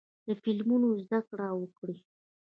له فلمونو زده کړه وکړئ.